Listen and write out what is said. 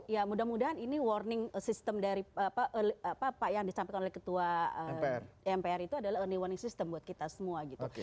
ya mudah mudahan ini warning system dari apa yang disampaikan oleh ketua mpr itu adalah early warning system buat kita semua gitu